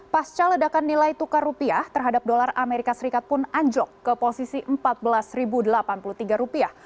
pasca ledakan nilai tukar rupiah terhadap dolar amerika serikat pun anjok ke posisi empat belas delapan puluh tiga rupiah